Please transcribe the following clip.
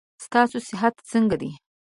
ستاسو صحت څنګه ده.